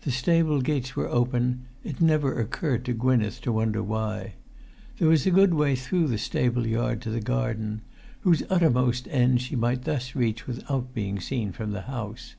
The stable gates were open; it never occurred to Gwynneth to wonder why. There was a good way through the stable yard to the garden, whose uttermost end she might thus reach without being seen from the house.